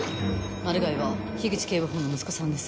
マルガイは口警部補の息子さんです。